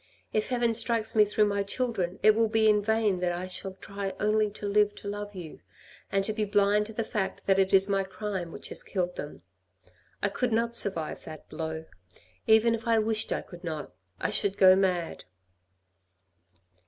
If heaven strikes me through my children, it will be in vain that I shall try only to live to love you, and to be blind to the fact that it is my crime which has killed them. I could not survive that blow. Even if I wished I could not ; I should go mad."